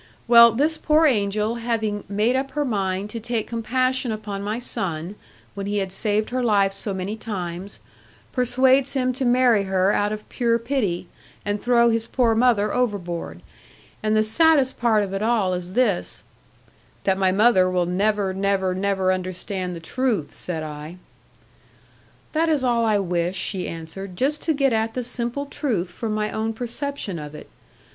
Well, this poor angel, having made up her mind to take compassion upon my son, when he had saved her life so many times, persuades him to marry her out of pure pity, and throw his poor mother overboard. And the saddest part of it all is this ' 'That my mother will never, never, never understand the truth,' said I. 'That is all I wish,' she answered; 'just to get at the simple truth from my own perception of it.